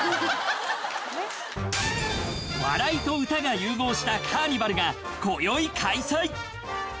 笑いと歌が融合したカーニバルが今宵開催！